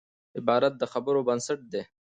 عبارت د خبرو بنسټ دئ.